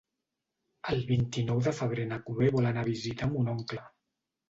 El vint-i-nou de febrer na Chloé vol anar a visitar mon oncle.